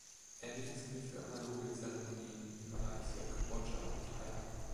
Ähnliches gilt für analoge Zeremonien in Malaysia, Kambodscha und Thailand.